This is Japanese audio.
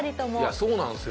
そうなんですよ。